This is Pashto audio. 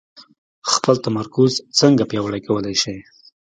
خپل تمرکز څنګه پياوړی کولای شئ؟